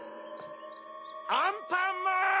アンパンマン！